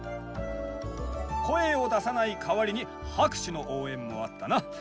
声を出さない代わりに拍手の応援もあったな。